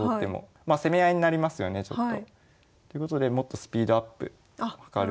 まあ攻め合いになりますよねちょっと。ってことでもっとスピードアップ図るんですけど。